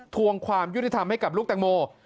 ทวงความยุติธรรมให้กับลูกแตงโม